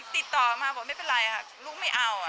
ติดต่อมาบอกไม่เป็นไรค่ะลูกไม่เอา